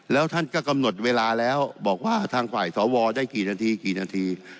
แล้วท่านก็กำหนดเวลาแล้วบอกว่าทางฝ่ายสวได้กี่นาทีกี่นาที